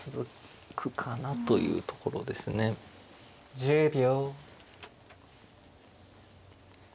１０秒。